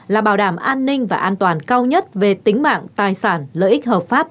là bảo đảm an ninh và an toàn cao nhất về tính mạng tài sản lợi ích hợp pháp